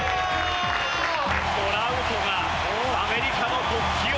トラウトがアメリカの国旗を。